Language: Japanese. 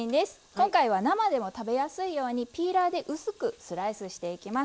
今回は生でも食べやすいようにピーラーで薄くスライスしていきます。